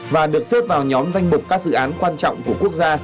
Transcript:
và được xếp vào nhóm danh mục các dự án quan trọng của quốc gia